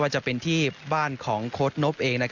จะเป็นที่บ้านของโค้ดนบเอง